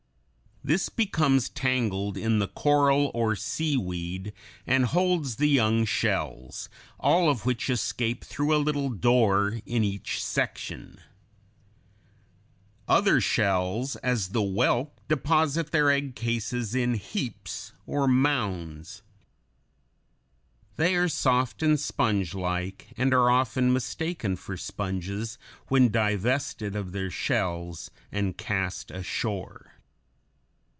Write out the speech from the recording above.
This becomes tangled in the coral or seaweed, and holds the young shells, all of which escape through a little door in each section. [Illustration: FIG. 98. Egg case of a conch.] Other shells, as the whelk (Fig. 99), deposit their egg cases in heaps or mounds. They are soft and spongelike, and are often mistaken for sponges when divested of their shells and cast ashore.